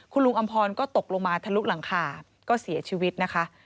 คุณลุงอำพรก็ตกลงมาทะลุหลังคาก็เสียชีวิตนะคะ